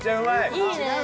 いいね